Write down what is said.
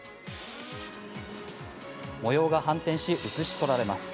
模様が反転し、写し取られます。